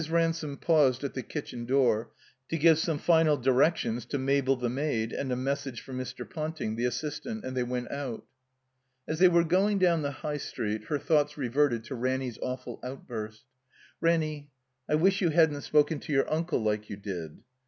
Ransome paused at the kitchen door to give some final directions to Mabel, the maid, and a message for Mr. Ponting, the assistant; and they went out. As they were going down the High Street, her thoughts reverted to Ranny's awful outburst. "Ranny, I wish you hadn't spoken to yotir tmde like you did."